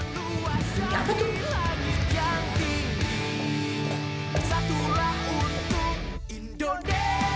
maunya quiet banyak ribet